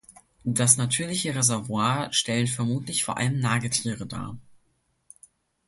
Das natürliche Reservoir stellen vermutlich vor allem Nagetiere dar.